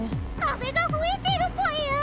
壁がふえてるぽよ！